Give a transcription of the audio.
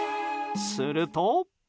すると。